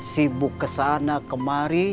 sibuk kesana kemari